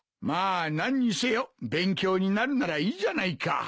まあ何にせよ勉強になるならいいじゃないか。